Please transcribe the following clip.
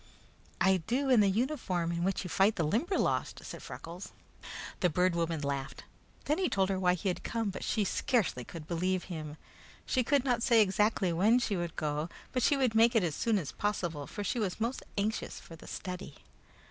"I do in the uniform in which you fight the Limberlost," said Freckles. The Bird Woman laughed. Then he told her why he had come, but she scarcely could believe him. She could not say exactly when she would go, but she would make it as soon as possible, for she was most anxious for the study.